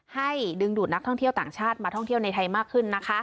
ดึงดูดนักท่องเที่ยวต่างชาติมาท่องเที่ยวในไทยมากขึ้น